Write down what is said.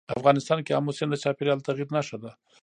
افغانستان کې آمو سیند د چاپېریال د تغیر نښه ده.